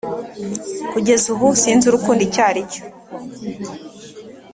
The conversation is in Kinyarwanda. Kugeza ubu sinzi urukundo icyo ari cyo